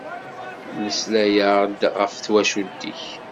Melslay-aɣ-d ɣef twacult-ik!